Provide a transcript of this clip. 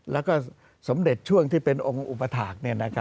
แล้วก็สมเด็จช่วงที่เป็นองค์อุปถาค